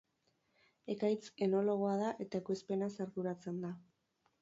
Ekaitz enologoa da eta ekoizpenaz arduratzen da.